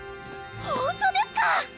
ほんとですか！